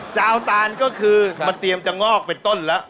เจ้าตานก็คือมันเตรียมจะงอกเป็นต้นแล้ว